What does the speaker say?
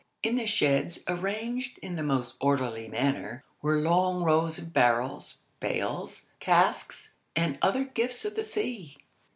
In the sheds, arranged in the most orderly manner, were long rows of barrels, bales, casks, and other gifts of the sea.